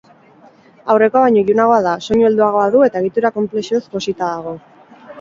Aurrekoa baino ilunagoa da, soinu helduagoa du eta egitura konplexuez josita dago.